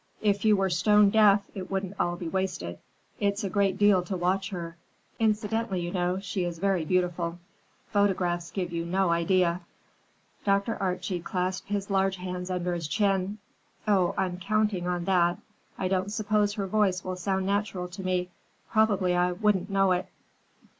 "If you were stone deaf, it wouldn't all be wasted. It's a great deal to watch her. Incidentally, you know, she is very beautiful. Photographs give you no idea." Dr. Archie clasped his large hands under his chin. "Oh, I'm counting on that. I don't suppose her voice will sound natural to me. Probably I wouldn't know it."